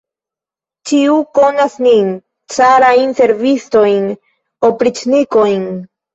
Ĉiu konas nin, carajn servistojn, opriĉnikojn!